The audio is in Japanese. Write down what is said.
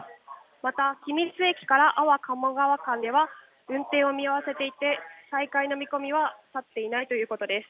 また、君津駅から安房鴨川間では運転を見合わせていて、再開の見込みは立っていないということです。